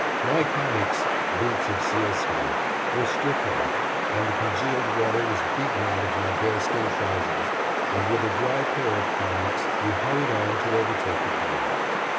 My kamiks (boots of sealskin) were stripped off, and the congealed water was beaten out of my bearskin trousers, and with a dry pair of kamiks, we hurried on to overtake the column.